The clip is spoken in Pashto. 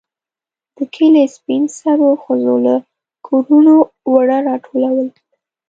د کلي سپين سرو ښځو له کورونو اوړه راټولول.